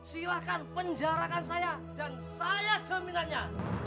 silahkan penjarakan saya dan saya jaminannya